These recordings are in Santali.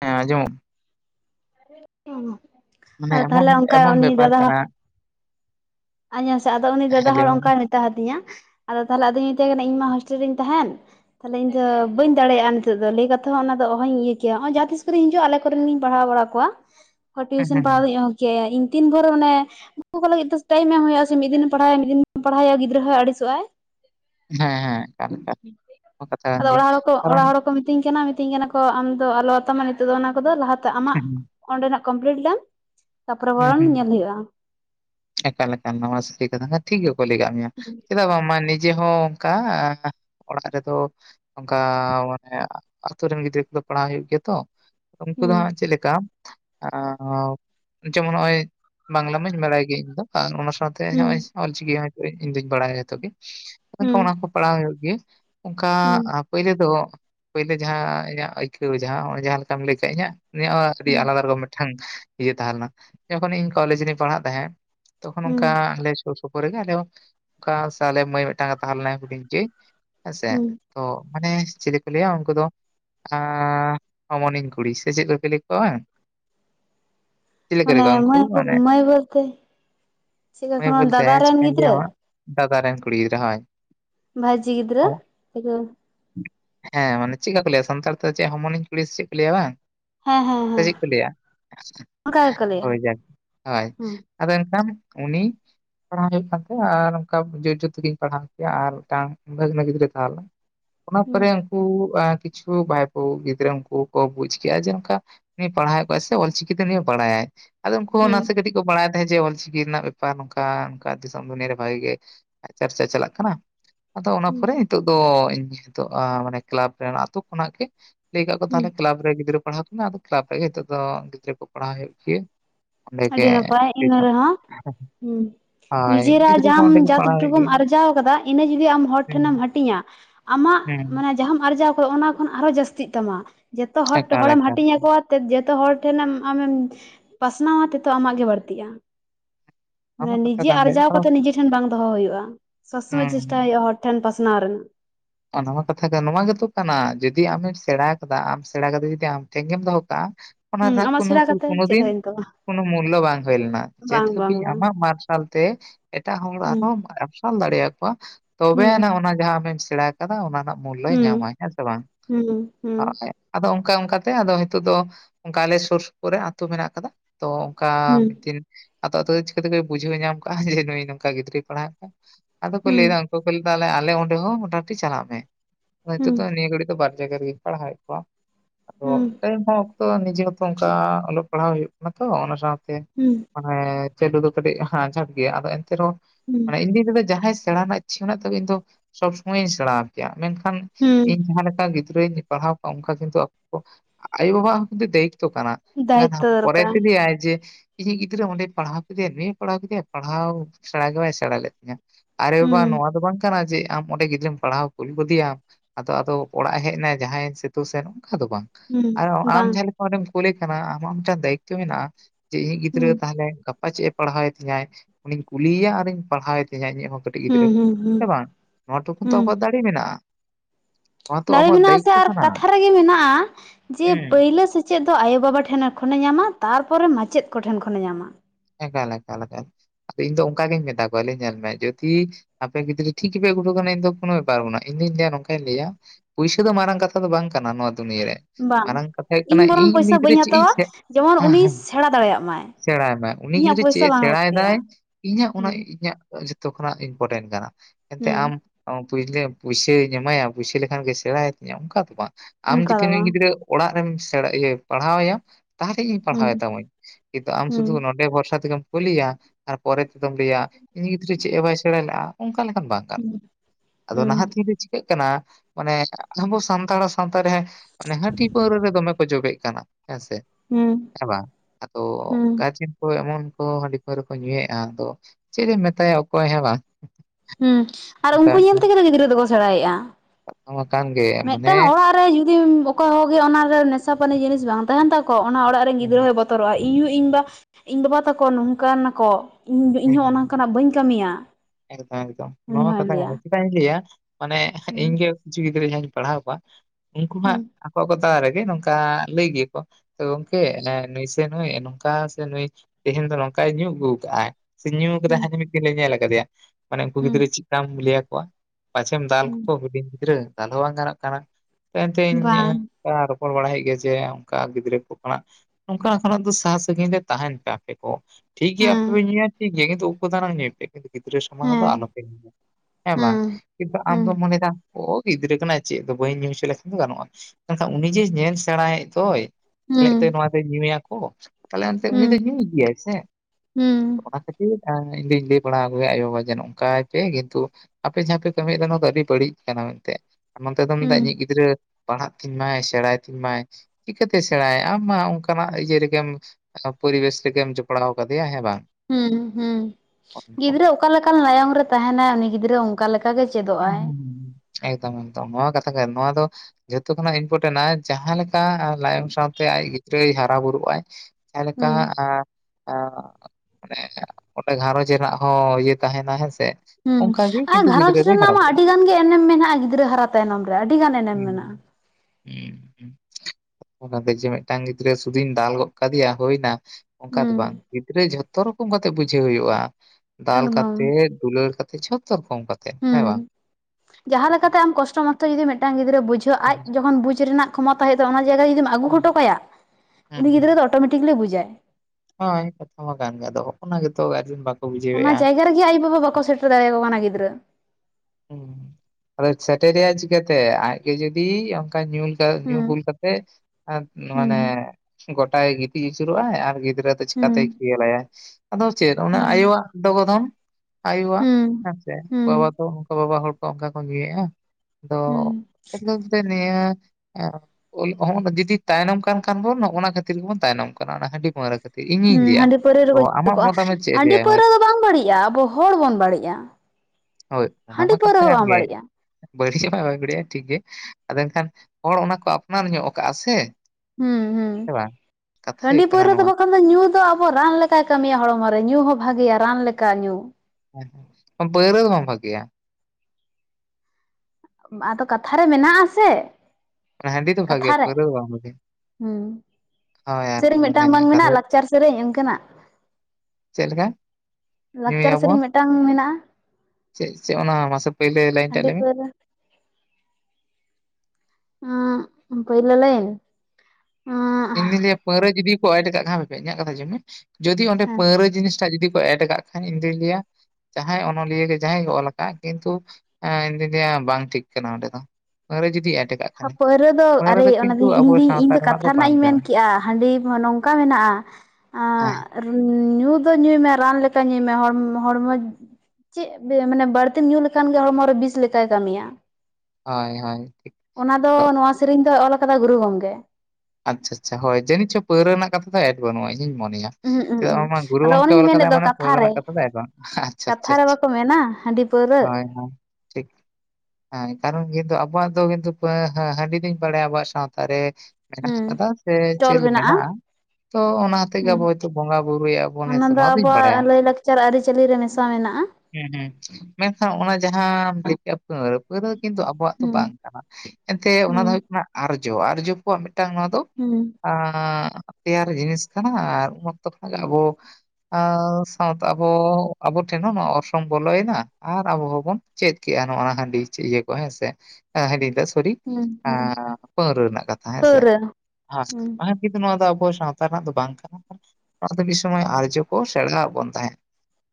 ᱦᱮᱸ ᱟᱸᱡᱚᱢᱚᱜ ᱚᱸ ᱢᱟᱱᱮ ᱟᱫᱚ ᱮᱢᱚᱱ ᱛᱟᱦᱚᱞᱮ ᱚᱱᱠᱟ ᱮᱢᱚᱱ ᱩᱱᱤ ᱵᱮᱯᱟᱨ ᱫᱟᱫᱟ ᱦᱚ ᱠᱟᱱᱟ ᱟᱸᱡᱚᱢ ᱥᱮ ᱟᱫᱚ ᱩᱱᱤ ᱫᱟᱫᱟ ᱦᱮᱸ ᱞᱟᱹᱭ ᱦᱚᱲ ᱢᱮ ᱢᱟ ᱚᱱᱠᱟᱭ ᱢᱮᱛᱟᱦᱟᱸᱫᱤᱧᱟ᱾ ᱟᱫᱚ ᱛᱟᱦᱚᱞᱮ ᱟᱫᱚᱭ ᱢᱮᱛᱟᱭ ᱠᱟᱱᱟ ᱤᱧ ᱢᱟ ᱦᱚᱥᱴᱮᱞ ᱨᱤᱧ ᱛᱟᱦᱮᱸᱱ᱾ ᱛᱟᱦᱚᱞᱮ ᱤᱧ ᱫᱚ ᱵᱟᱹᱧ ᱫᱟᱲᱮᱭᱟᱜ-ᱟ ᱱᱤᱛᱚᱜ ᱫᱚ ᱞᱟᱹᱭ ᱠᱟᱛᱮ ᱦᱚᱸ ᱚᱱᱟ ᱫᱚ ᱚᱦᱚᱧ ᱤᱭᱟᱹ ᱠᱮᱭᱟ ᱦᱚᱸᱜ-ᱚᱭ ᱡᱟᱦᱟᱸ ᱛᱤᱥᱨᱤᱧ ᱦᱤᱡᱩᱜ-ᱟ ᱟᱞᱮ ᱠᱚᱨᱮᱱᱤᱧ ᱯᱟᱲᱦᱟᱣ ᱵᱟᱲᱟ ᱠᱚᱣᱟ᱾ [unintelligible] ᱦᱚᱲ ᱴᱤᱭᱩᱥᱮᱱ ᱯᱟᱲᱦᱟᱣ ᱦᱮᱸ ᱫᱩᱧ ᱮᱦᱚᱵ ᱠᱮᱜ-ᱟ᱾ ᱤᱧ ᱛᱤᱱ ᱵᱷᱚᱨ ᱚᱱᱮ ᱩᱱᱠᱩ ᱠᱚ ᱞᱟᱹᱜᱤᱫ ᱫᱚ ᱴᱟᱭᱤᱢ ᱮᱢ ᱦᱩᱭᱩᱜ-ᱟ ᱥᱮ ᱢᱤᱫ ᱫᱤᱱᱮᱢ ᱯᱟᱲᱦᱟᱣᱮᱭᱟ ᱢᱤᱫ ᱫᱤᱱᱮᱢ [unintelligible] ᱯᱟᱲᱦᱟᱣᱮᱭᱟ ᱜᱤᱫᱽᱟᱹ ᱦᱚᱸᱭ ᱟᱹᱲᱤᱥᱚᱜ-ᱟᱭ᱾ ᱦᱮᱸ ᱦᱮᱸ ᱮᱠᱟᱞ ᱮᱠᱟᱞ ᱱᱚᱣᱟ ᱠᱟᱛᱷᱟ ᱠᱟᱱ ᱟᱫᱚ ᱜᱮ, ᱚᱲᱟᱜ ᱦᱚᱲ ᱠᱚ ᱠᱟᱨᱚᱱ ᱚᱲᱟᱜ ᱦᱚᱲ ᱠᱚ ᱢᱤᱛᱤᱧ ᱠᱟᱱᱟ ᱢᱤᱛᱤᱧ ᱠᱟᱱᱟ ᱠᱚ ᱟᱢ ᱫᱚ ᱟᱞᱚ ᱟ ᱛᱟᱢᱟ ᱱᱤᱛᱚᱜ ᱫᱚ ᱚᱱᱟ ᱠᱚᱫᱚ ᱞᱟᱦᱟᱛᱮ ᱟᱢᱟᱜ ᱦᱩᱸ ᱚᱸᱰᱮᱱᱟᱜ ᱠᱚᱢᱯᱤᱞᱤᱴ ᱞᱮᱢ ᱛᱟᱨᱯᱚᱨᱮ ᱦᱩᱸ ᱵᱚᱨᱚᱱ ᱦᱩᱸ ᱧᱮᱞ ᱦᱩᱭᱩᱜ-ᱟ᱾ ᱮᱠᱟᱞ ᱮᱠᱟᱞ ᱱᱚᱣᱟ ᱥᱟᱹᱨᱤ ᱠᱟᱛᱷᱟ, ᱴᱷᱤᱠ ᱜᱮᱠᱚ ᱞᱟᱹᱭ ᱠᱟᱫ ᱢᱮᱭᱟ ᱪᱮᱫᱟᱜ ᱵᱟᱝᱢᱟ ᱱᱤᱡᱮ ᱦᱚᱸ, ᱚᱝᱠᱟ ᱚᱲᱟᱜ ᱨᱮᱫᱚ, ᱚᱝᱠᱟ ᱢᱟᱱᱮ ᱟᱛᱩᱨᱤᱱ ᱜᱤᱫᱽᱨᱟᱹ ᱠᱚᱫᱚ ᱯᱟᱲᱦᱟᱜ ᱦᱩᱭᱩᱜ ᱜᱮᱭᱟ ᱛᱚ᱾ ᱩᱱᱠᱩ ᱫᱚ ᱦᱩᱸ ᱦᱟᱸᱜ ᱪᱮᱫᱞᱮᱠᱟ, ᱥᱤ, ᱡᱮᱢᱚᱱ ᱱᱚᱜᱼᱚᱭ ᱵᱟᱝᱞᱟ ᱢᱟᱧ ᱵᱟᱲᱟᱭ ᱜᱮ ᱤᱧ ᱫᱚ ᱟᱨ ᱚᱱᱟ ᱥᱟᱶᱛᱮ ᱦᱩᱸ ᱱᱚᱜᱼᱚᱭ᱾ ᱚᱞ ᱪᱤᱠᱤ ᱦᱚᱸ ᱠᱟᱡ-ᱠᱟᱡ ᱫᱩᱧ ᱵᱟᱲᱟᱭᱟ ᱡᱚᱛᱚ ᱜᱮ ᱦᱩᱸ ᱚᱱᱟ ᱠᱚ ᱯᱟᱲᱦᱟᱣ ᱦᱩᱭᱩᱜ ᱜᱮ ᱚᱱᱠᱟ, ᱦᱩᱸ ᱯᱩᱭᱞᱩ ᱫᱚ ᱯᱩᱭᱞᱩ ᱡᱟᱦᱟᱸ ᱤᱧᱟᱹᱜ ᱟᱹᱭᱠᱟᱹᱣ ᱡᱟᱦᱟᱸ, ᱡᱟᱦᱟᱸ ᱞᱮᱠᱟᱢ ᱞᱟᱹᱭ ᱠᱮᱜ-ᱟ ᱤᱧᱟᱹᱜ᱾ ᱤᱧᱟᱹᱜ ᱦᱚ ᱟᱹᱰᱤ ᱦᱩᱸ ᱟᱞᱟᱫᱟ ᱨᱚᱠᱚᱢ ᱢᱤᱫᱴᱟᱝ ᱤᱭᱟᱹ ᱛᱟᱦᱮᱸ ᱞᱮᱱᱟ ᱡᱚᱠᱷᱚᱱ ᱤᱧ ᱠᱚᱞᱮᱡᱽ ᱨᱤᱧ ᱯᱟᱲᱦᱟᱜ ᱛᱟᱦᱮᱸᱫ᱾ ᱛᱚᱠᱷᱚᱱ ᱦᱩᱸ ᱚᱝᱠᱟ ᱟᱞᱮ ᱥᱩᱨ ᱥᱩᱯᱩᱨ ᱨᱮᱜᱮ ᱟᱞᱮ ᱚᱱᱠᱟ ᱟᱞᱮ ᱢᱟᱹᱭ ᱢᱤᱫᱴᱟᱝ ᱮ ᱛᱟᱸᱦᱮ ᱞᱮᱱᱟᱭ ᱦᱩᱰᱤᱧ ᱡᱮ᱾ ᱦᱮᱸᱥᱮ ᱦᱩᱸ ᱛᱚ ᱢᱟᱱᱮ ᱪᱮᱞᱮ ᱠᱚ ᱞᱟᱹᱭᱟ ᱩᱱᱠᱩ ᱫᱚ᱾ ᱟ ᱦᱚᱢᱚᱱᱤᱧ ᱠᱩᱲᱤ ᱥᱮ ᱪᱮᱫ ᱠᱚ ᱯᱮ ᱞᱟᱹᱭ ᱠᱚᱣᱟ ᱵᱟᱝ? ᱪᱤᱞᱤ ᱠᱚ ᱞᱟᱹᱭ ᱢᱟᱱᱮ ᱠᱚᱭᱟ ᱩᱱᱠᱩ ᱢᱟᱹᱭ ᱢᱟᱱᱮ ᱢᱟᱹᱭ ᱵᱚᱞᱛᱮ ᱪᱮᱫᱠᱟ ᱢᱟᱹᱭ ᱠᱳᱱᱳ ᱵᱚᱞᱛᱮ ᱫᱟᱫᱟ ᱪᱮᱜ ᱨᱮᱱ ᱠᱟᱧ ᱞᱟᱹᱭ ᱜᱤᱫᱽᱨᱟᱹ ᱟᱢᱟ? ᱫᱟᱫᱟ ᱨᱮᱱ ᱠᱩᱲᱤ ᱜᱤᱫᱽᱨᱟᱹ ᱦᱚᱭ᱾ ᱵᱷᱟᱹᱡᱤ ᱜᱤᱫᱽᱨᱟᱹ ᱮᱵᱚᱝ, ᱦᱮᱸ ᱢᱟᱱᱮ ᱪᱮᱫ ᱠᱟ ᱠᱚ ᱞᱟᱹᱭᱟ ᱥᱟᱱᱛᱟᱲ ᱛᱮ ᱪᱮᱫ ᱦᱚᱢᱚᱱᱤᱧ ᱠᱩᱲᱤ ‌ᱥᱮ ᱪᱮᱫ ᱠᱚ ᱞᱟᱹᱭᱟ ᱵᱟᱝ? ᱦᱮᱸ ᱦᱮᱸ ᱥᱮ ᱦᱮᱸ ᱪᱮᱫ ᱠᱚ ᱞᱟᱹᱭᱟ ᱚᱱᱠᱟ, ᱜᱮᱠᱚ ᱞᱟᱹᱭᱟ ᱦᱳᱭ ᱡᱟᱠ ᱦᱳᱭ ᱦᱩᱸ ᱟᱫᱚ ᱮᱱᱠᱷᱟᱱ ᱩᱱᱤ, ᱯᱟᱲᱦᱟᱣ ᱦᱩᱭᱩᱜ ᱠᱟᱱ ᱛᱟᱦᱮᱸ ᱟᱨ ᱱᱚᱝᱠᱟ ᱡᱳᱨ ᱡᱳᱨ ᱛᱮᱜᱮᱧ ᱯᱟᱲᱦᱟᱣ ᱠᱮᱭᱟ ᱟᱨ ᱢᱤᱫᱴᱟᱝ ᱵᱷᱟᱹᱜᱱᱟᱹ ᱜᱤᱫᱽᱨᱟᱹᱭ ᱛᱟᱦᱮᱸ ᱞᱮᱱᱟ᱾ ᱚᱱᱟ ᱦᱩᱸ ᱯᱚᱨᱮ ᱩᱱᱠᱩ ᱠᱤᱪᱷᱩ ᱵᱟᱭᱯᱳ ᱜᱤᱫᱽᱨᱟᱹ ᱩᱱᱠᱩ ᱠᱚ ᱵᱩᱡ ᱠᱮᱜᱼᱟ ᱡᱮ ᱱᱚᱝᱠᱟ, ᱱᱩᱭᱮ ᱯᱟᱲᱦᱟᱣᱮᱫ ᱠᱚᱣᱟᱭ ᱥᱮ ᱚᱞᱪᱤᱠᱤᱛᱮ ᱱᱩᱭᱮ ᱵᱟᱲᱟᱭᱟᱭ ᱟᱫᱚ ᱩᱱᱠᱩ ᱦᱚᱸ ᱦᱩᱸ ᱱᱟᱥᱮ ᱠᱟᱹᱴᱤᱡ᱾ ᱠᱚ ᱵᱟᱲᱟᱭ ᱛᱟᱦᱮᱸᱫ ᱡᱮ ᱚᱞ ᱪᱤᱠᱤ ᱨᱮᱱᱟᱜ ᱵᱮᱯᱟᱨ ᱱᱚᱝᱠᱟ ᱱᱚᱝᱠᱟ ᱫᱤᱥᱚᱢ ᱫᱩᱱᱤᱭᱟᱹ ᱨᱮ ᱵᱷᱟᱜᱤ ᱜᱮ᱾ ᱪᱟᱨᱪᱟ ᱪᱟᱞᱟᱜ ᱠᱟᱱᱟ᱾ ᱟᱫᱚ ᱚᱱᱟ ᱦᱩᱸ ᱯᱚᱨᱮ ᱱᱤᱛᱚᱜ ᱫᱚ ᱤᱧ ᱦᱤᱛᱚᱜ ᱟ ᱢᱟᱱᱮ ᱠᱞᱟᱵᱽ ᱨᱮᱱ ᱟᱛᱳ ᱠᱷᱚᱱᱟᱜ ᱜᱮ, ᱞᱟᱹᱭ ᱠᱟᱜᱟ ᱠᱚ ᱦᱩᱸ ᱛᱟᱦᱚᱞᱮ ᱠᱞᱟᱵ ᱨᱮ ᱜᱤᱫᱽᱨᱟᱹ ᱯᱟᱲᱦᱟᱣ ᱠᱚ ᱢᱮ ᱟᱫᱚ ᱠᱞᱟᱵ ᱨᱮᱜᱮ ᱱᱤᱛᱚᱜ ᱫᱚ ᱜᱤᱫᱽᱨᱟᱹ ᱠᱚ ᱯᱟᱲᱦᱟᱣ ᱦᱩᱭᱩᱜ ᱜᱮᱭᱟ᱾ ᱚᱸᱰᱮ ᱜᱮ ᱟᱹᱰᱤ ᱱᱟᱯᱟᱭ ᱤᱱᱟᱹ ᱴᱤᱭᱩᱥᱚᱱ ᱨᱮᱦᱚᱸ, ᱦᱳᱭ ᱱᱤᱡᱮᱨᱟᱜ ᱜᱤᱫᱽᱨᱟᱹ ᱠᱚ ᱡᱟᱢ ᱚᱸᱰᱮ ᱜᱮ ᱯᱟᱲᱦᱟᱣ ᱦᱩᱭᱩᱜ ᱡᱟᱴᱩᱠᱩᱢ ᱜᱮᱭᱟ ᱟᱨᱡᱟᱣ ᱠᱟᱫᱟ ᱤᱱᱟᱹ ᱡᱩᱫᱤ ᱟᱢ ᱦᱚᱲ ᱦᱩᱸ ᱴᱷᱮᱱᱮ ᱮᱢ ᱦᱟᱹᱴᱤᱧᱟ᱾ ᱟᱢᱟᱜ ᱦᱩᱸ ᱢᱟᱱᱮ ᱡᱟᱦᱟᱸᱢ ᱟᱨᱡᱟᱣ ᱠᱟᱫᱟ ᱚᱱᱟ ᱠᱷᱚᱱ ᱟᱨᱦᱚ ᱡᱟᱹᱥᱛᱤᱜ ᱛᱟᱢᱟ ᱡᱚᱛᱚ ᱦᱚᱲ ᱮᱠᱟᱞ ᱦᱚᱲᱮᱢ ᱮᱠᱟᱞ ᱦᱟᱹᱴᱤᱧ ᱟᱠᱚᱣᱟ, ᱡᱚᱛᱚ ᱦᱚᱲ ᱴᱷᱮᱱᱮᱢ ᱟᱢᱮᱢ, ᱯᱟᱥᱱᱟᱣᱟ ᱛᱮᱛᱚ ᱟᱢᱟᱜ ᱜᱮ ᱵᱟᱹᱲᱛᱤᱜᱼᱟ᱾ ᱚᱱᱟ ᱢᱟ ᱢᱟᱱᱮ ᱠᱟᱛᱷᱟ ᱱᱤᱡᱮ ᱠᱟᱱ ᱜᱮ ᱟᱨᱡᱟᱣ ᱟᱫᱚ ᱠᱟᱛᱮᱜ ᱱᱤᱡᱮᱴᱷᱮᱱ ᱵᱟᱝ ᱫᱚᱦᱚ ᱦᱩᱭᱩᱜᱼᱟ ᱥᱚᱵᱽ ᱥᱚᱢᱚᱭ ᱪᱮᱥᱴᱟᱭ ᱦᱩᱸ ᱦᱩᱭᱩᱜᱼᱟ ᱦᱚᱲ ᱴᱷᱮᱱ ᱯᱟᱥᱱᱟᱣ ᱨᱮᱱᱟᱜ᱾ ᱚᱱᱟ ᱢᱟ ᱠᱟᱛᱷᱟ ᱠᱟᱱᱟ, ᱱᱚᱣᱟ ᱜᱮᱛᱚ ᱠᱟᱱᱟ ᱡᱩᱫᱤ ᱟᱢᱮᱢ ᱥᱮᱬᱟ ᱠᱟᱫᱟ ᱟᱢ ᱥᱮᱬᱟ ᱠᱟᱛᱮ ᱡᱩᱫᱤ ᱟᱢ ᱴᱷᱮᱱ ᱜᱮᱢ ᱫᱚᱦᱚ ᱠᱟᱜᱼᱟ᱾ ᱚᱱᱟ ᱦᱩᱸ ᱨᱮᱱᱟᱜ ᱟᱢᱟᱜ ᱠᱳᱱᱳ, ᱥᱮᱬᱟ ᱠᱟᱛᱮᱫ ᱠᱳᱱᱳ ᱪᱮᱫ ᱫᱤᱱ᱾ ᱦᱩᱭᱮᱱ ᱛᱟᱢᱟ ᱠᱳᱱᱳ ᱢᱩᱞᱞᱚ ᱵᱟᱝ ᱦᱩᱭ ᱞᱮᱱᱟ ᱡᱮᱫ ᱵᱟᱝ ᱵᱟᱝ ᱦᱟᱹᱵᱤᱡ ᱵᱟᱝ ᱟᱢᱟᱜ ᱢᱟᱨᱥᱟᱞ ᱛᱮ᱾ ᱮᱴᱟᱜ ᱦᱚᱲ ᱦᱩᱸ ᱟᱨᱦᱚᱸᱢ ᱟᱨᱥᱟᱞ ᱫᱟᱲᱮᱭᱟᱠᱚᱣᱟ ᱛᱚᱵᱮ ᱦᱩᱸ ᱟᱱᱟᱜ ᱚᱱᱟ ᱡᱟᱦᱟᱸ ᱟᱢᱮᱢ ᱥᱮᱬᱟ, ᱠᱟᱫᱟ ᱚᱱᱟ ᱨᱮᱱᱟᱜ ᱢᱩᱞᱞᱚᱭ ᱦᱩᱸ ᱧᱟᱢᱟᱭ ᱦᱮᱸ ᱥᱮ ᱵᱟᱝ? ᱦᱩᱸ ᱦᱩᱸ ᱟᱫᱚ ᱚᱱᱠᱟ ᱚᱱᱠᱟᱛᱮ ᱟᱫᱚ ᱦᱤᱛᱚᱜ ᱫᱚ ᱚᱱᱠᱟ ᱟᱞᱮ ᱥᱩᱨ ᱥᱩᱯᱩᱨ ᱨᱮ ᱟᱹᱛᱩ ᱢᱮᱱᱟᱜ ᱠᱟᱫᱟ᱾ ᱛᱚ ᱚᱱᱠᱟ ᱦᱩᱸ ᱢᱤᱫ ᱫᱤᱱ, ᱟᱫᱚ ᱟᱛᱳ ᱟᱛᱳ ᱫᱚ ᱪᱤᱠᱟᱹᱛᱮᱠᱚ ᱵᱩᱡᱷᱟᱹᱣ ᱧᱟᱢ ᱠᱟᱜᱼᱟ ᱡᱮ ᱱᱩᱭ ᱱᱚᱝᱠᱟ ᱜᱤᱫᱽᱨᱟᱹᱭ ᱯᱟᱲᱦᱟᱣ ᱮᱫ ᱠᱚᱭᱟ, ᱟᱫᱚ ᱠᱚ ᱦᱩᱸ ᱞᱟᱹᱭᱫᱟ, ᱟᱠᱚ ᱦᱚᱠᱚ ᱞᱮᱫᱟ ᱟᱞᱮ ᱚᱸᱰᱮ ᱦᱚᱸ ᱢᱚᱴᱟᱢᱩᱴᱤ ᱪᱟᱞᱟᱜ ᱢᱮ, ᱱᱤᱛᱚᱜ ᱫᱚ ᱦᱩᱸ ᱱᱤᱭᱟᱹ ᱜᱷᱟᱹᱲᱤ ᱫᱚ ᱵᱟᱨ, ᱡᱟᱭᱜᱟ ᱨᱮᱜᱮᱧ ᱯᱟᱲᱦᱟᱣᱮᱫ ᱠᱚᱣᱟ ᱟᱫᱚ ᱦᱩᱸ ᱴᱟᱹᱭᱤᱢ ᱦᱚ, ᱛᱚ ᱱᱤᱡᱮ ᱦᱚᱸᱛᱚ ᱚᱝᱠᱟ ᱚᱞᱚᱜ ᱯᱟᱲᱦᱟᱣ ᱦᱩᱭᱩᱜ ᱠᱟᱱᱟ ᱛᱚ ᱚᱱᱟ ᱥᱟᱸᱶᱛᱮ, ᱦᱩᱸ, ᱢᱟᱱᱮ ᱪᱟᱹᱞᱩ ᱫᱚ ᱠᱟᱹᱴᱤᱡ ᱟᱸᱡᱷᱟᱴ ᱜᱮᱭᱟ ᱟᱫᱚ ᱮᱱᱛᱮ ᱨᱮᱦᱚᱸ ᱦᱩᱸ ᱢᱟᱱᱮ ᱤᱧ ᱫᱩᱧ ᱞᱮᱫᱟ ᱡᱟᱦᱟᱸᱭ ᱥᱮᱬᱟ ᱨᱮᱱᱟᱜ, ᱤᱪᱪᱷᱟ ᱢᱮᱱᱟᱜ ᱛᱟᱯᱮᱭᱟ ᱤᱧ ᱫᱚ ᱥᱚᱵᱽ ᱥᱚᱢᱚᱭ ᱤᱧ ᱥᱮᱬᱟ ᱟᱯᱮᱭᱟ ᱢᱮᱱᱠᱷᱟᱱ ᱦᱩᱸ ᱤᱧ ᱡᱟᱦᱟᱸ ᱞᱮᱠᱟ ᱜᱤᱫ, ᱜᱤᱫᱽᱨᱟᱹᱧ ᱯᱟᱲᱦᱟᱣ ᱠᱚᱣᱟ ᱚᱱᱠᱟ ᱠᱤᱱᱛᱩ ᱟᱭᱳᱼ ᱵᱟᱵᱟᱣᱟᱜ ᱦᱚᱸ ᱠᱤᱱᱛᱩ ᱫᱟᱭᱤᱛᱚ ᱠᱟᱱᱟ᱾ ᱫᱟᱭᱤᱛᱛᱚ [unintelligible] ᱯᱚᱨᱮ ᱫᱚᱨᱠᱟᱨ ᱛᱮᱫᱟᱭ ᱡᱮ, ᱤᱧᱤᱡ ᱜᱤᱫᱽᱨᱟᱹ ᱚᱸᱰᱮᱭ ᱯᱟᱲᱦᱟᱣ ᱠᱮᱫᱮᱭᱟ ᱱᱩᱭᱮ ᱯᱟᱲᱦᱟᱣ ᱠᱮᱫᱮᱭᱟᱭ ᱯᱟᱲᱦᱟᱣ ᱥᱮᱬᱟ ᱜᱮ ᱵᱟᱭ ᱥᱮᱬᱟ ᱞᱮᱫ ᱛᱤᱧᱟᱹ᱾ ᱟᱨᱮ ᱵᱟᱵᱟ ᱦᱩᱸ ᱱᱚᱣᱟ ᱫᱚ ᱵᱟᱝ ᱠᱟᱱᱟ ᱡᱮ ᱟᱢ, ᱚᱸᱰᱮ ᱜᱤᱫᱽᱨᱟᱹᱢ ᱯᱟᱲᱦᱟᱣ ᱠᱩᱞ ᱜᱚᱫᱮᱟᱢ ᱟᱫᱚ ᱟᱫᱚ ᱚᱲᱟᱜ ᱮ ᱦᱮᱡ ᱮᱱᱟᱭ ᱡᱟᱦᱟᱸᱭ ᱥᱮ ᱛᱳᱥᱽ ᱮᱱ ᱚᱱᱠᱟ ᱫᱚ ᱵᱟᱝ᱾ ᱦᱩᱸ ᱟᱨ ᱟᱢ ᱵᱟᱝ ᱡᱟᱦᱟᱸ ᱞᱮᱠᱟ ᱚᱸᱰᱮᱢ ᱠᱩᱞᱮ ᱠᱟᱱᱟ ᱟᱢᱟᱜ ᱦᱚ ᱢᱮᱫᱴᱟᱝ ᱫᱟᱭᱤᱛᱚ ᱢᱮᱱᱟᱜᱼᱟ᱾ ᱡᱮ ᱤᱧᱤᱡ ᱜᱤᱫᱽᱨᱟᱹ ᱦᱩᱸ ᱛᱟᱦᱟᱞᱮ ᱜᱟᱯᱟ ᱪᱮᱜ ᱮ ᱯᱟᱲᱦᱟᱣ ᱮ ᱛᱤᱧᱟ, ᱩᱱᱤᱧ ᱠᱩᱞᱤᱭ ᱭᱟ, ᱟᱨᱤᱧ ᱯᱟᱲᱦᱟᱣ ᱮ ᱛᱤᱧᱟ ᱤᱧᱤᱡ ᱦᱚᱸ᱾ ᱠᱟᱹᱴᱤᱡ ᱦᱩᱸ ᱜᱤᱫᱽᱨᱟᱹ ᱦᱩᱸ ᱦᱩᱸ ᱦᱮ ᱵᱟᱝ, ᱱᱚᱣᱟ ᱴᱩᱠᱩ ᱛᱚ ᱦᱩᱸ ᱚᱵᱚᱼᱟᱜ ᱫᱟᱲᱮ ᱢᱮᱱᱟᱜᱼᱟ᱾ ᱱᱚᱣᱟ ᱛᱚ ᱫᱟᱲᱮ ᱟᱵᱚᱣᱟᱜ ᱢᱮᱱᱟᱜᱼᱟ ᱥᱮ, ᱫᱟᱭᱤᱛᱛᱚ ᱟᱨ ᱠᱟᱱᱟ ᱠᱟᱛᱷᱟ ᱨᱮᱜᱮ ᱢᱮᱱᱟᱜᱼᱟ, ᱡᱮ ᱦᱩᱸ ᱯᱟᱹᱭᱞᱟᱹ ᱥᱮ ᱥᱮᱪᱮᱫ ᱫᱚ ᱟᱭᱳᱼᱵᱟ ᱴᱷᱮᱱ ᱠᱷᱚᱱᱮ ᱧᱟᱢᱟ, ᱛᱟᱨᱯᱚᱨᱮ ᱢᱟᱪᱮᱫ ᱠᱚ ᱴᱷᱮᱱ ᱠᱷᱚᱱᱮ ᱧᱟᱢᱟ᱾ ᱦᱮᱸ, ᱮᱠᱟᱞ-ᱮᱠᱟᱞ ᱟᱫᱚ, ᱤᱧ ᱫᱚ ᱚᱱᱠᱟ ᱜᱤᱧ ᱢᱮᱛᱟ ᱠᱚᱣᱟ ᱞᱟᱭᱟᱹᱧ ᱧᱮᱞ ᱢᱮ ᱡᱩᱫᱤ ᱟᱯᱮ ᱜᱤᱫᱽᱨᱟᱹ ᱴᱷᱤᱠ ᱜᱮᱯᱮ ᱟᱜᱩ ᱠᱚ, ᱠᱟᱱᱟ ᱤᱧ ᱠᱳ ᱵᱮᱯᱟᱨ ᱵᱟᱱᱩᱟ, ᱤᱧ ᱫᱚᱧ ᱞᱟᱹᱭᱟ ᱱᱚᱝᱠᱟᱧ ᱞᱟᱹᱭᱟ ᱯᱩᱭᱥᱟᱹ ᱫᱚ ᱢᱟᱨᱟᱝ ᱠᱟᱛᱷᱟ ᱫᱚ, ᱵᱟᱝ ᱠᱟᱱᱟ ᱱᱚᱣᱟ ᱫᱩᱱᱤᱭᱟᱹ ᱨᱮ᱾ ᱵᱟᱝ ᱢᱟᱨᱟᱝ ᱠᱟᱛᱷᱟ ᱦᱳᱭᱳᱜ ᱠᱟᱱᱟ, ᱵᱚᱨᱚᱝ ᱤᱧ ᱩᱱᱤ ᱯᱚᱭᱥᱟ ᱜᱤᱫᱽᱨᱟᱹ ᱵᱟᱹᱧ ᱪᱮᱫ ᱤᱧ ᱦᱟᱛᱟᱣᱟ ᱥᱮᱲᱟ, ᱡᱮᱢᱚᱱ ᱩᱱᱤ ᱦᱮᱸ ᱥᱮᱬᱟ ᱫᱟᱲᱮᱭᱟᱜ ᱢᱟᱭ ᱥᱮᱬᱟᱭ ᱢᱟᱭ, ᱩᱱᱤ ᱤᱧᱟᱹᱜ ᱜᱤᱫᱽᱨᱟᱹ ᱯᱚᱭᱥᱟ ᱪᱮᱜᱼᱮ ᱵᱟᱝ ᱥᱮᱬᱟᱭ ᱞᱟᱹᱠᱛᱤᱭᱟ ᱫᱟᱭ ᱤᱧᱟᱹᱜ ᱚᱱᱟ ᱦᱩᱸ ᱤᱧᱟᱹᱜ ᱡᱷᱚᱛᱚ ᱠᱷᱚᱱᱟᱜ ᱤᱢᱯᱚᱴᱮᱱᱴ ᱠᱟᱱᱟ, ᱮᱱᱛᱮ ᱦᱩᱸ ᱟᱢ ᱯᱳᱭᱞᱳ ᱯᱩᱭᱥᱟᱹᱧ ᱮᱢᱟᱭᱟ, ᱯᱩᱭᱥᱟᱹ ᱞᱮᱠᱷᱟᱱ ᱜᱮ ᱥᱮᱬᱟᱭ ᱛᱤᱧᱟ, ᱚᱱᱠᱟ ᱫᱚ ᱵᱟᱝ, ᱟᱢ ᱚᱱᱠᱟ ᱡᱩᱫᱤ ᱫᱚ ᱱᱩᱭ ᱵᱟᱝ ᱜᱤᱫᱽᱨᱟᱹ ᱚᱲᱟᱜ ᱨᱮᱢ ᱤᱭᱟᱹ ᱯᱟᱲᱦᱟᱣ ᱮᱭᱟ ᱛᱟᱦᱚᱞᱮ ᱤᱧ ᱦᱩᱸ ᱯᱟᱲᱦᱟᱣ ᱮ ᱛᱟᱢᱟᱹᱧ ᱠᱤᱱᱛᱩ ᱟᱢ ᱥᱩᱫᱷᱩ ᱦᱩᱸ ᱱᱚ ᱚᱸᱰᱮ ᱵᱷᱚᱨᱥᱟ ᱛᱮᱜᱮᱢ ᱠᱩᱞᱤᱭᱟ, ᱟᱨ ᱯᱚᱨᱮ ᱛᱮᱫᱚᱢ ᱞᱟᱹᱭᱟ, ᱤᱧᱤᱡ ᱜᱤᱫᱽᱨᱟᱹ ᱪᱮᱫ ᱦᱚ ᱵᱟᱭ ᱥᱮᱬᱟ ᱞᱟᱜᱼᱟ, ᱚᱱᱠᱟ ᱞᱮᱠᱟᱱ ᱵᱟᱝ ᱦᱩᱸ ᱟᱫᱚ ᱱᱟᱦᱟᱜ ᱦᱩᱸ ᱫᱤᱱ ᱨᱮ ᱪᱤᱠᱟᱹᱜ ᱠᱟᱱᱟ, ᱢᱟᱱᱮ ᱟᱵᱚ ᱥᱟᱱᱛᱟᱲ ᱥᱟᱶᱛᱟ ᱨᱮ ᱢᱟᱹᱱᱮ ᱦᱟᱺᱰᱤ ᱯᱟᱹᱣᱨᱟᱹ ᱨᱮ, ᱫᱚᱢᱮ ᱠᱚ ᱡᱚᱵᱮᱜ ᱠᱟᱱᱟ ᱦᱮᱸ ᱥᱮ? ᱦᱩᱸ, ᱟᱪᱪᱷᱟᱹ ᱵᱟᱝᱹ ᱟᱼᱫᱚ, ᱦᱩᱸ ᱠᱟᱪᱤᱢ ᱠᱚ ᱮᱢᱚᱱ ᱠᱚ ᱦᱟᱺᱰᱤ ᱯᱟᱹᱣᱨᱟᱹ ᱠᱚ ᱧᱩᱭᱮᱜᱼᱟ, ᱟᱫᱚ, ᱪᱮᱫ ᱮᱢ ᱢᱮᱛᱟᱭᱟ ᱚᱠᱚᱭ ᱦᱮᱸ ᱵᱟᱝ? ᱦᱩᱸ, ᱟᱨ ᱚᱱᱠᱟ ᱩᱱᱠᱩ ᱧᱮᱞ ᱛᱮᱜᱮ ᱛᱚ ᱜᱤᱫᱽᱨᱟᱹ ᱫᱚᱹᱠᱚ ᱥᱮᱲᱟᱭᱮᱼᱟ᱾ ᱱᱟᱶᱟ ᱠᱟᱱ ᱜᱮ ᱢᱟᱱᱮ ᱢᱤᱜᱴᱟᱝ ᱚᱲᱟᱼᱜ ᱨᱮ ᱡᱩᱫᱤᱢ ᱚᱼᱠᱚᱭ ᱠᱚᱹᱜᱮ ᱚᱱᱟᱨᱮ ᱱᱮᱥᱟ ᱯᱟᱹᱱᱤ ᱡᱤᱱᱤᱥ ᱵᱟᱝ ᱛᱟᱦᱮᱸᱱ ᱛᱟᱠᱚᱣᱼᱟ, ᱚᱱᱟ ᱚᱲᱟᱼᱜ ᱨᱮᱱ ᱦᱩᱸ ᱜᱤᱫᱽᱟᱹ ᱦᱚᱸᱭ ᱵᱚ ᱵᱚᱛᱚᱨᱚᱜᱼᱟ, ᱤᱧᱩ, ᱤᱧ ᱵᱟ ᱤᱧ ᱵᱟᱵᱟ ᱛᱟᱠᱚ ᱱᱚᱝᱠᱟᱱ ᱟᱠᱚ᱾ ᱤᱧ, ᱤᱧ, ᱦᱩᱸ ᱦᱚᱸ ᱦᱩᱸ ᱚᱱ-ᱚᱱᱠᱟᱱᱟᱜ ᱵᱟᱹᱧ ᱠᱟᱹᱢᱤᱭᱟ, ᱩᱱᱤ ᱦᱚᱭ ᱞᱟᱹᱭᱟ᱾ ᱱᱚᱝᱠᱟᱧ ᱞᱟᱹᱭᱟ, ᱢᱟᱹᱱᱮ ᱦᱩᱸ ᱤᱧ ᱜᱮ ᱠᱤᱹᱪᱷᱩ ᱜᱤᱫᱽᱨᱟᱹ ᱡᱟᱦᱟᱸᱧ ᱯᱟᱲᱦᱟᱣ ᱠᱚᱣᱟ, ᱩᱱᱠᱩ ᱦᱩᱸ ᱦᱟᱸᱜ ᱟᱠᱚ, ᱟᱠᱚ ᱛᱟᱞᱟ ᱨᱮᱜᱮ, ᱱᱚᱝᱠᱟ ᱞᱟᱹᱭ ᱜᱮᱭᱟ ᱠᱚ ᱾ ᱛᱚ ᱜᱚᱝ ᱠᱮ, ᱱᱩᱭ ᱥᱮ ᱱᱩᱭ ᱱᱚᱝᱠᱟ ᱥᱮ, ᱱᱩᱭ ᱛᱮᱦᱮᱧ ᱫᱚ ᱱᱚᱝᱠᱟᱭ ᱧᱩ ᱟᱹᱜᱩ ᱠᱟᱜᱼᱟᱭ᱾ ᱥᱮ ᱧᱩ ᱠᱟᱫᱟᱭ ᱦᱩᱸ ᱦᱟᱱᱮ ᱢᱤᱫᱤᱱ ᱞᱮ ᱧᱮᱞ ᱠᱟᱫᱮᱭᱟ, ᱢᱟᱹᱱᱮ ᱩᱱᱠᱩ ᱦᱩᱸ ᱜᱤᱫᱽᱨᱟᱹ ᱪᱤᱜᱠᱟᱢ ᱞᱟᱹᱭ ᱟᱠᱚᱣᱟ᱾ ᱯᱟᱪᱷᱮᱢ ᱫᱟᱞ ᱠᱚ ᱦᱩᱸ ᱠᱚ ᱦᱩᱰᱤᱧ ᱜᱤᱫᱽᱨᱟᱹ, ᱫᱟᱞ ᱦᱚᱸ ᱵᱟᱝ ᱜᱟᱱᱚᱼᱜ ᱠᱟᱱᱟ ᱮᱱᱛᱮᱧ ᱵᱟᱝ ᱚᱱᱠᱟ ᱨᱚᱯᱚᱲ ᱵᱟᱲᱟ ᱦᱳᱭᱳᱜ ᱜᱮᱼᱭᱟ ᱡᱮ, ᱚᱱᱠᱟ ᱜᱤᱫᱽᱨᱟᱹ ᱠᱚ ᱠᱷᱚᱱᱟᱼᱜ ᱱᱚᱝᱹᱠᱟ ᱠᱷᱚᱱᱟᱼᱜ ᱫᱚ, ᱥᱟᱦᱟ ᱥᱟᱺᱜᱤᱧ ᱨᱮ ᱛᱟᱦᱮᱸᱱ ᱯᱮ ᱟᱯᱮ ᱠᱚ᱾ ᱴᱷᱤᱠ ᱜᱮᱼᱭᱟ, ᱦᱮᱸ ᱟᱯᱮᱯᱮ ᱧᱩᱭᱟ ᱴᱷᱤᱠ ᱜᱮᱭᱟ, ᱠᱤᱱᱛᱩ ᱩᱠᱩ ᱫᱟᱱᱟᱝ ᱧᱩᱭ ᱯᱮ᱾ ᱜᱤᱫᱽᱨᱟᱹ ᱥᱟᱢᱟᱝ ᱨᱮᱸᱫᱚ ᱦᱮᱸ ᱟᱞᱚᱹᱯᱮ ᱱᱭᱟ᱾ ᱦᱮᱸ ᱵᱟᱝ ᱦᱩᱸ ᱠᱤᱱᱛᱩ ᱟᱢ ᱦᱩᱸ ᱫᱚᱢ ᱢᱚᱱᱮᱭ ᱫᱟ ᱚ ᱜᱤᱫᱽᱨᱟᱹ ᱠᱟᱱᱟᱭ, ᱪᱮᱫ ᱫᱚ ᱵᱟᱹᱧ ᱧᱩ ᱦᱚᱪᱚ ᱞᱮᱹᱠᱷᱟᱱ ᱜᱮ ᱜᱟᱱᱚᱜᱼᱟ, ᱢᱮᱱᱹᱠᱷᱟᱱ ᱩᱱᱤ ᱡᱮ ᱧᱮᱞ ᱥᱮᱲᱟᱭᱮᱫ ᱫᱚᱭ᱾ ᱮᱞᱮᱡ ᱛᱮ ᱦᱩᱸ ᱱᱚᱣᱟ ᱫᱚᱭ ᱧᱩᱭᱟᱼᱠᱚ, ᱛᱟᱦᱚᱞᱮ ᱮᱱᱛᱮ ᱩᱱᱤ ᱫᱚᱭ ᱧᱩᱭ ᱜᱮᱭᱟᱼᱭ ᱥᱮ᱾ ᱦᱩᱸ, ᱚᱱᱟ ᱠᱷᱟᱹᱛᱤᱨ ᱤᱧ ᱫᱩᱧ ᱞᱟᱹᱭ ᱵᱟᱲᱟ ᱟᱹᱜᱩᱭᱟ, ᱟᱭᱳ ᱵᱟᱵᱟ ᱡᱮ ᱱᱚᱝᱠᱟᱭ ᱯᱮ ᱠᱤᱱᱛᱩ ᱟᱯᱮ ᱡᱟᱦᱟᱸ ᱯᱮ ᱠᱟᱹᱢᱤᱭᱮᱫᱟ ᱱᱚᱣᱟ ᱫᱚ ᱟᱹᱰᱤ ᱵᱟᱹᱲᱤᱡ ᱠᱟᱱᱟ ᱢᱮᱱᱛᱮ, ᱱᱚᱱᱛᱮ ᱫᱚᱢ ᱢᱮᱱᱫᱟ ᱦᱩᱸ ᱤᱧᱤᱡ ᱜᱤᱫᱽᱨᱟᱹ ᱯᱟᱲᱦᱟᱜ ᱛᱤᱧ ᱢᱟᱭ, ᱥᱮᱬᱟᱭ ᱛᱤᱧ ᱢᱟᱭ, ᱪᱤᱠᱟᱹᱛᱮ ᱥᱮᱬᱟᱭ ᱟᱢ ᱢᱟ ᱚᱱᱹᱠᱟᱱᱟᱜ ᱤᱭᱟᱹ ᱨᱮᱜᱮᱢ ᱯᱚᱨᱤᱵᱮᱥ ᱨᱮᱜᱮᱢ ᱡᱚᱯᱲᱟᱣ ᱠᱟᱫᱮᱭᱼᱟ ᱦᱮᱸ ᱵᱟᱝ᱾ ᱦᱩᱸ, ᱦᱩᱸ, ᱜᱤᱫᱽᱨᱟᱹ ᱚᱠᱟ ᱞᱮᱠᱟᱱ ᱞᱟᱭᱚᱝ ᱨᱮ ᱛᱟᱦᱮᱸᱱᱟᱼᱭ, ᱩᱱᱤ ᱜᱤᱫᱽᱨᱟᱹ ᱚᱱᱠᱟ ᱞᱮᱠᱟ ᱜᱮ ᱦᱩᱸ, ᱪᱮᱫᱚᱜ-ᱟᱭ ᱦᱸ, ᱮᱠᱫᱚᱢ-ᱮᱠᱫᱚᱢ ᱱᱚᱶᱟ ᱠᱟᱛᱷᱟ ᱠᱟᱱᱟ ᱱᱚᱶᱟ ᱫᱚ᱾ ᱡᱚᱛᱚ ᱠᱷᱚᱱᱟᱜ ᱤᱢᱯᱚᱴᱮᱱᱟ ᱟᱭ, ᱡᱟᱦᱟᱸ ᱞᱮᱠᱟ ᱞᱟᱭᱚᱝ ᱥᱟᱶᱛᱮ ᱟᱭᱤᱡ ᱜᱤᱫᱽᱨᱟᱹᱭ ᱦᱟᱨᱟ ᱵᱩᱨᱩᱜ ᱟᱭ᱾ ᱡᱮᱞᱮᱠᱟ ᱦᱩᱸ ᱟᱦ ᱦᱚᱸ, ᱢᱟᱱᱮ ᱚᱸᱰᱮ ᱜᱷᱟᱨᱚᱡᱽ ᱨᱮᱱᱟᱼᱜ ᱦᱚᱸ, ᱤᱭᱟᱹ ᱛᱟᱦᱮᱱᱟ ᱦᱮᱸᱥᱮ᱾ ᱦᱩᱸ, ᱚᱱᱠᱟ ᱜᱮ ᱟᱨ ᱠᱤᱱᱛᱩ ᱜᱷᱟᱷᱟᱨᱚᱡᱽ ᱜᱤᱫᱽᱨᱟᱹ ᱫᱚᱭ ᱨᱮᱱᱟᱼᱜ ᱦᱟᱨᱟ ᱢᱟ ᱵᱩᱨᱩᱜᱼᱟ ᱟᱹᱰᱤ ᱜᱟᱱ ᱜᱮ ᱮᱱᱮᱢ ᱢᱮᱱᱟᱜᱼᱟ, ᱜᱤᱫᱽᱨᱟᱹ ᱦᱟᱨᱟ ᱛᱟᱭᱱᱚᱢ ᱨᱮ ᱟᱹᱰᱤ ᱜᱟᱱ ᱮᱱᱮᱢ ᱢᱮᱱᱟᱜᱼᱟ᱾ ᱦᱮ [unintelligible] ᱚᱱᱟᱛᱮ ᱡᱮ ᱢᱤᱫᱴᱟᱝ ᱜᱤᱫᱽᱨᱟᱹ, ᱥᱩᱫᱩᱧ ᱫᱟᱞ ᱜᱚᱫ ᱠᱟᱫᱮᱭᱟ ᱦᱳᱭᱳᱱᱟ᱾ ᱚᱱᱠᱟ ᱫᱚ ᱦᱩᱸ ᱵᱟᱝ, ᱜᱤᱫᱽᱨᱟᱹ ᱡᱷᱚᱛᱚ ᱨᱚᱠᱚᱢ ᱠᱟᱛᱮᱼᱜ, ᱵᱩᱡᱷᱟᱹᱣ ᱦᱳᱭᱩᱳᱜᱼᱟ, ᱫᱟᱞ ᱮᱠᱫᱚᱢ ᱠᱟᱛᱮᱼᱜ ᱫᱩᱞᱟᱹᱲ ᱠᱟᱛᱮ, ᱡᱷᱚᱛᱚ ᱨᱚᱠᱚᱢ ᱠᱟᱛᱮ ᱦᱮᱸ ᱵᱟᱝ᱾ ᱡᱟᱦᱟᱸᱞᱮᱠᱟ ᱞᱮᱠᱟᱹᱛᱮ ᱟᱢ ᱠᱚᱥᱴᱚᱹᱢᱥᱛᱚ ᱡᱩᱫᱤ ᱢᱤᱫᱴᱟᱝ ᱜᱤᱫᱽᱨᱟᱹ ᱵᱩᱡᱷᱟᱹᱜ ᱟᱡ ᱡᱚᱹᱠᱷᱚᱱ ᱵᱩᱡ ᱨᱮᱱᱟᱼᱜ ᱠᱷᱚᱢᱚᱛᱟ ᱦᱩᱭᱩᱜ ᱟᱢᱟ ᱚᱱᱟ ᱡᱟᱭᱜᱟ ᱡᱩᱫᱤᱢ ᱟᱹᱜᱩ ᱦᱩᱸ ᱦᱚᱴᱚ ᱠᱟᱭᱟ ᱩᱱᱤ ᱦᱩᱸ ᱜᱤᱫᱽᱨᱟᱹ ᱫᱚ ᱚᱴᱳᱢᱮᱴᱤᱠᱹ ᱞᱮ ᱵᱩᱡᱟᱭ᱾ ᱦᱳᱭ ᱠᱟᱛᱷᱟᱹ ᱢᱟ ᱠᱟᱱ ᱜᱮᱭᱟ ᱫᱚ ᱚᱱᱟ ᱜᱮ ᱛᱚ ᱜᱟᱨᱡᱮᱱ ᱵᱟᱠᱚ ᱚᱱᱟ ᱵᱩᱡᱷᱟᱹᱣᱮᱫᱼᱟ᱾ ᱡᱟᱭᱜᱟ ᱨᱮᱜᱮ ᱟᱭᱚ ᱵᱟᱵᱟ ᱵᱟᱠᱚ ᱥᱮᱴᱮᱨ ᱫᱟᱲᱮ ᱟᱠᱚ ᱠᱟᱱᱟ ᱜᱤᱫᱽᱚᱨᱟᱹ᱾ ᱦᱩᱸ ᱟᱫᱚ ᱥᱮᱴᱮᱨ ᱪᱤᱠᱟᱹᱛᱮ ᱟᱡᱜᱮ ᱡᱩᱫᱤ ᱚᱱᱠᱟ ᱧᱩ ᱧᱩ ᱦᱩᱸ ᱵᱷᱩᱞ ᱠᱟᱛᱮᱫ ᱢᱟᱱᱮ ᱦᱩᱸ ᱜᱚᱴᱟᱭ ᱜᱤᱛᱤᱡ ᱟᱹᱪᱩᱨᱚᱜ ᱟᱭ ᱟᱨ ᱜᱤᱫᱽᱨᱟᱹ ᱪᱮᱠᱟᱹᱛᱮᱭ ᱦᱩᱸ ᱠᱷᱤᱭᱟᱹ ᱞᱟᱭᱟᱭ ᱟᱫᱚ ᱪᱮᱫ ᱚᱱᱮ ᱦᱩᱸ ᱟᱭᱳᱼᱟᱜ ᱫᱚᱜᱚᱫᱷᱚᱱᱹ᱾ ᱟᱭᱳᱼᱟᱜ ᱦᱩᱸ ᱦᱮᱸᱥᱮ ᱦᱩᱸ ᱵᱟᱵᱟ ᱦᱩᱸ ᱛᱚ ᱚᱱᱠᱟ ᱵᱟᱵᱟ ᱦᱚᱲᱹ ᱠᱚ ᱚᱱᱠᱟᱹ ᱠᱚ ᱧᱩᱭᱮᱫᱼᱟᱹ᱾ ᱟᱫᱚ ᱦᱩᱸ [unintelligible] ᱱᱤᱭᱟᱹ ᱮᱸ ᱩᱞ ᱦᱚᱸᱜ ᱱᱟ ᱡᱩᱫᱤ ᱛᱟᱭᱹᱱᱚᱢ ᱠᱟᱱ ᱠᱷᱟᱱ ᱵᱚᱱ ᱚᱱᱟ ᱠᱷᱟᱹᱛᱤᱨ ᱜᱮ ᱵᱚᱱ ᱛᱟᱭᱱᱚᱢ ᱠᱟᱱᱟ ᱚᱱᱟ ᱦᱟᱺᱰᱤ ᱯᱟᱹᱨᱣᱟᱹ ᱠᱷᱟᱹᱛᱤᱨ᱾ ᱤᱧᱤᱧ ᱦᱩᱸ ᱞᱟᱹᱭᱟ ᱦᱟᱺᱰᱤ ᱯᱟᱹᱣᱨᱟᱹ ᱛᱚ ᱨᱮᱠᱚ ᱡᱚᱵᱮ ᱟᱢᱟᱜ ᱠᱚᱜᱼᱟ, ᱢᱚᱛᱟᱢᱚᱛ ᱪᱮᱫ ᱦᱟᱺᱰᱤ ᱞᱟᱹᱭᱟᱭ ᱢᱟᱱᱮ ᱯᱟᱹᱣᱨᱟᱹ ᱫᱚ ᱵᱟᱝ ᱵᱟᱹᱲᱤᱡᱼᱟ ᱟᱵᱚ ᱦᱚᱲ ᱵᱚᱱ ᱵᱟᱹᱲᱤᱡᱼᱟ᱾ ᱦᱳᱭ ᱦᱟᱺᱰᱤ ᱚᱱᱟᱢᱟ ᱯᱟᱹᱣᱨᱟᱹ ᱠᱟᱛᱷᱟ ᱦᱚᱸ ᱠᱟᱱ ᱵᱟᱝ ᱜᱮ᱾ ᱵᱟᱹᱲᱤᱡᱼᱟ ᱵᱟᱹᱲᱤᱡ ᱵᱟ ᱵᱟᱹᱭ ᱵᱟᱹᱲᱤᱡᱼᱟ ᱴᱷᱤᱠ ᱜᱮ ᱟᱫᱚ ᱮᱱᱠᱷᱟᱱ ᱦᱚᱲ ᱚᱱᱟ ᱠᱚ ᱟᱯᱱᱟᱨ ᱧᱚᱜ ᱠᱟᱜᱼᱟ ᱥᱮ᱾ ᱦᱩᱸ ᱦᱩᱸ ᱦᱮᱸ ᱵᱟᱝ ᱠᱟᱛᱷᱟ ᱦᱟᱺᱵᱤ ᱦᱩᱭᱩᱜ ᱠᱟᱱᱟ ᱯᱟᱹᱣᱨᱟᱹ ᱫᱚ ᱱᱚᱣᱟ ᱵᱟᱹᱠᱷᱟᱱ ᱧᱩ ᱫᱚ ᱟᱵᱚ ᱨᱟᱱ ᱞᱮᱠᱟᱭ ᱠᱟᱹᱢᱤᱭᱟ ᱦᱚᱲᱢᱚ ᱨᱮ ᱧᱩ ᱦᱚᱸ ᱵᱷᱟᱜᱮᱭᱟ ᱨᱟᱱ ᱞᱮᱠᱟ ᱧᱩ ᱾ ᱯᱟᱭᱨᱟᱹ ᱫᱚ ᱵᱟᱝ ᱵᱷᱟᱜᱮᱭᱟ ᱾ ᱟᱫᱚ ᱠᱟᱛᱷᱟ ᱨᱮ ᱢᱮᱱᱟᱜ-ᱟ ᱥᱮ ᱾ ᱢᱟᱱᱮ ᱦᱟᱺᱰᱤ ᱫᱚ ᱵᱷᱟᱜᱮᱭᱟ ᱠᱟᱛᱷᱟ ᱨᱮ ᱯᱟᱹᱣᱨᱟᱹ ᱫᱚ ᱵᱟᱝ ᱵᱷᱟᱜᱮᱭᱟ ᱦᱩᱸ ᱾ ᱦᱳᱭ ᱟᱨᱠᱤ ᱥᱮᱨᱮᱧ ᱢᱟᱱᱮ ᱢᱤᱫᱴᱟᱝ ᱵᱟᱝ ᱠᱟᱛᱷᱟ ᱢᱮᱱᱟᱜᱼᱟ, ᱞᱟᱠᱪᱟᱨ ᱥᱮᱨᱮᱧ ᱤᱱᱠᱟᱹᱱᱟᱜ ᱾ ᱪᱮᱫ ᱞᱮᱠᱟ? ᱞᱟᱠᱪᱟᱨ ᱧᱩᱭᱟᱵᱚᱱ ᱥᱮᱨᱮᱧ ᱢᱤᱫᱴᱟᱝ ᱢᱮᱱᱟᱜᱼᱟ ᱪᱮᱜ ᱪᱮᱜ ᱚᱱᱟ ᱢᱟᱥᱮ ᱯᱟᱭᱞᱟ ᱞᱟᱭᱤᱱ ᱴᱮᱜ ᱦᱟᱺᱰᱤ ᱞᱟᱹᱭ ᱢᱮ ᱾ ᱯᱟᱹᱣᱨᱟᱹ ᱩᱸᱜ ᱯᱟᱹᱭᱞᱟᱹ ᱞᱟᱹᱭᱤᱱ? ᱦᱮᱸ ᱤᱧᱫᱩᱧ ᱞᱟᱹᱭᱟ ᱯᱟᱹᱣᱨᱟᱹ ᱡᱩᱫᱤ ᱠᱚ ᱮᱰ ᱠᱟᱜ ᱠᱷᱟᱱ ᱦᱟᱯᱮ ᱤᱧᱟᱜ ᱠᱟᱛᱷᱟ ᱟᱸᱡᱚᱢ ᱢᱮ ᱡᱩᱫᱤ ᱚᱸᱰᱮ ᱯᱟᱹᱣᱟᱹ ᱡᱤᱱᱤᱥ ᱴᱟᱜ ᱡᱩᱫᱤ ᱮᱰ ᱠᱟᱜ ᱼᱼ ᱠᱷᱟᱡ ᱤᱧᱫᱩᱧ ᱞᱮᱭᱟ ᱡᱟᱦᱟᱸᱭ ᱚᱱᱚᱞᱤᱭᱟᱹ ᱜᱮ ᱡᱟᱦᱟᱸᱭ ᱜᱮ ᱚᱞ ᱟᱠᱟᱜ ᱠᱤᱱᱛᱩ ᱤᱧᱫᱤᱫᱤᱭᱟᱜ ᱵᱟᱝ ᱴᱷᱤᱠ ᱠᱟᱱᱟ ᱚᱸᱰᱮ ᱫᱚ ᱾ ᱯᱟᱹᱣᱨᱟᱹ ᱡᱩᱫᱤ ᱮᱰᱠᱟᱜ ᱼᱼ ᱯᱟᱹᱣᱨᱟᱹ ᱫᱚ ᱟᱨᱮ ᱚᱱᱟ ᱫᱚ ᱤᱧ ᱫᱤᱧ ᱥᱟᱶᱛᱟ ᱤᱧ ᱫᱚ ᱨᱮᱱᱟᱜ ᱠᱟᱛᱷᱟ ᱼᱼ ᱵᱟᱝ ᱚᱱᱠᱟᱧ ᱢᱮᱱ ᱠᱟᱱᱟ ᱠᱮᱜᱼᱟ ᱦᱟᱸᱰᱤ ᱦᱚ ᱱᱚᱝᱠᱟ ᱢᱮᱱᱟᱜᱼᱟ ᱦᱮᱸ ᱟᱸᱜ ᱼᱼ ᱧᱩ ᱫᱚ ᱧᱩᱭ ᱢᱮ ᱨᱟᱱ ᱞᱮᱠᱟ ᱧᱩᱭᱢᱮ ᱦᱚᱲ ᱦᱚᱲᱢᱚ ᱼᱼ ᱪᱮᱜ ᱵᱮ ᱢᱟᱱᱮ ᱵᱟᱹᱲᱛᱤᱢ ᱧᱩ ᱞᱮᱠᱷᱟᱱ ᱜᱮ ᱦᱚᱲᱢᱚ ᱨᱮ ᱵᱤᱥ ᱞᱮᱠᱟᱭ ᱠᱟᱹᱢᱤᱭᱟ ᱾ ᱦᱳᱭ ᱦᱳᱭ ᱴᱷᱤᱠ ᱾ ᱚᱱᱟ ᱫᱚ ᱱᱚᱣᱟ ᱥᱤᱨᱮᱧ ᱫᱚᱭ ᱚᱞ ᱟᱠᱟᱫᱟ ᱜᱩᱨᱩ ᱜᱚᱝᱠᱮ ᱾ ᱟᱪᱪᱷᱟ ᱪᱷᱟ ᱦᱳᱭ ᱡᱟᱹᱱᱤᱡ ᱪᱚ ᱯᱟᱣᱨᱟᱹ ᱨᱮᱱᱟᱜ ᱠᱟᱛᱷᱟ ᱮᱰ ᱵᱟᱹᱱᱩᱜᱼᱟ ᱤᱧᱤᱧ ᱢᱚᱱᱮᱭᱟ ᱾ ᱪᱮᱫᱟᱜ ᱵᱟᱝ ᱢᱟ ᱜᱩᱨᱩ ᱟᱫᱚ ᱜᱚᱢᱠᱮ ᱚᱱᱮᱧ ᱚᱞ ᱢᱮᱱᱮᱫ ᱟᱠᱟᱫᱟᱭ ᱫᱚ ᱢᱟᱱᱮ ᱯᱟᱣᱨᱟᱹ ᱨᱮ ᱨᱮᱱᱟᱜ ᱠᱟᱛᱷᱟ ᱫᱚ ᱮᱰ ᱵᱟᱝ ᱟᱪᱪᱷᱟ ᱟᱪᱪᱷᱟ ᱠᱟᱛᱷᱟ ᱨᱮ ᱵᱟᱠᱚ ᱢᱮᱱᱟ ᱦᱟᱺᱰᱤ ᱾ ᱯᱟᱹᱣᱨᱟᱹ ᱦᱳᱭ ᱦᱳᱭ ᱴᱷᱤᱠ ᱾ ᱦᱮᱸ ᱠᱟᱨᱚᱱ ᱠᱤᱱᱛᱩ ᱟᱵᱚᱣᱟᱜ ᱫᱚ ᱠᱤᱱᱛᱩ ᱦᱟᱸᱰᱤ ᱫᱚᱧ ᱵᱟᱲᱟᱭᱟ ᱟᱵᱚᱣᱟᱜ ᱥᱟᱶᱛᱟ ᱨᱮ ᱼᱼ ᱦᱮᱸᱱᱟᱜ ᱦᱮᱸ ᱠᱟᱫᱟ ᱥᱮ ᱪᱟᱹᱞ ᱢᱮᱱᱟᱜᱼᱟ ᱾ ᱛᱚ ᱚᱱᱟᱛᱮᱜᱮ ᱦᱮᱸ ᱟᱵᱚ ᱦᱚᱭᱛᱳ ᱵᱚᱸᱜᱟ ᱵᱩᱨᱩᱭ ᱟᱵᱚᱱ ᱦᱮᱸᱥᱮ ᱫᱚ ᱚᱱᱟ ᱫᱩᱧ ᱵᱟᱲᱟᱭᱟ ᱟᱵᱚᱣᱟᱜ ᱾ ᱞᱟᱹᱭᱼᱞᱟᱠᱪᱟᱨ ᱟᱹᱨᱤᱪᱟᱹᱞᱤ ᱨᱮ ᱢᱮᱥᱟ ᱢᱮᱱᱟᱜᱼᱟ ᱦᱩᱸ ᱦᱩᱸ ᱢᱮᱱᱠᱷᱟᱱ ᱚᱱᱟ ᱡᱟᱦᱟᱸ ᱞᱮ ᱠᱮᱜᱼᱟ ᱯᱟᱹᱣᱨᱟᱹ ᱯᱟᱹᱣᱨᱟᱹ ᱠᱤᱱᱛᱩ ᱟ ᱼᱼ ᱵᱚᱣᱟᱜ ᱫᱚ ᱦᱩᱸ ᱵᱟᱝ ᱠᱟᱱᱟ ᱮᱱᱛᱮ ᱚᱱᱟ ᱫᱚ ᱦᱩᱸ ᱦᱩᱭᱩᱜ ᱠᱟᱱᱟ ᱟᱨᱡᱚ ᱟᱨᱡᱚ ᱠᱚᱣᱟᱜ ᱢᱤᱫ ᱼᱼ ᱴᱟᱝ ᱱᱚᱣᱟ ᱫᱚ ᱦᱩᱸ ᱛᱮᱭᱟᱨ ᱡᱤᱱᱤᱥ ᱠᱟᱱᱟ ᱟᱨ ᱩᱱ ᱚᱠᱛᱚ ᱠᱷᱚᱱᱟᱜ ᱜᱮ ᱟᱵᱚ ᱼᱼ ᱟᱸ ᱥᱟᱶᱛᱮ ᱟᱵᱚ ᱟᱵᱚ ᱴᱷᱮᱱ ᱦᱚᱸ ᱱᱚᱣᱟ ᱚᱨᱥᱚᱝ ᱵᱚᱞᱚᱭᱮᱱᱟ, ᱟᱨ ᱟᱵᱚ ᱦᱚᱸᱵᱚᱱ ᱼᱼ ᱪᱮᱜ ᱠᱮᱜᱼᱟ ᱱᱚᱜᱼᱱᱟ ᱦᱟᱸᱰᱤ ᱤᱭᱟᱹ ᱠᱚ ᱦᱮᱸᱥᱮ᱾ ᱮᱸ ᱦᱟᱺᱰᱤᱧ ᱞᱟᱹᱭ ᱫᱟ ᱥᱚᱨᱤ ᱦᱩᱸ ᱦᱩᱸ ᱟᱸ ᱯᱟᱹᱣᱨᱟᱹ ᱨᱮᱱᱟᱜ ᱠᱟᱛᱷᱟ ᱦᱮᱸᱥᱮ᱾ ᱯᱟᱹᱣᱨᱟᱹ ᱦᱩᱸ ᱠᱤᱱᱛᱩ ᱱᱚᱣᱟ ᱫᱚ ᱟᱵᱚ ᱥᱟᱶᱛᱟ ᱨᱮᱱᱟᱜ ᱫᱚ ᱵᱟᱝ ᱠᱟᱱᱟ ᱯᱟᱞᱮᱱ᱾ ᱚᱱᱟ ᱫᱚ ᱢᱤᱫ ᱥᱚᱢᱚᱭ ᱟᱨᱡᱚ ᱠᱚ ᱥᱮᱬᱟᱣᱟᱜ ᱵᱚᱱ ᱛᱟᱦᱮᱸᱫ